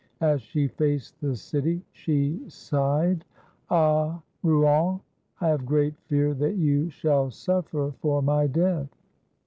As she faced the city, she sighed: — "Ah, Rouen, I have great fear that you shall suffer for my death."